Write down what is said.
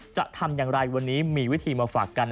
จะทำอย่างไรวันนี้มีวิธีมาฝากกัน